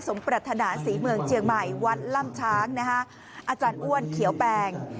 ปรัฐนาศรีเมืองเชียงใหม่วัดล่ำช้างนะฮะอาจารย์อ้วนเขียวแปง